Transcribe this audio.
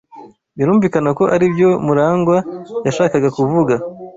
Birumvikana ko aribyo Murangwa yashakaga kuvuga.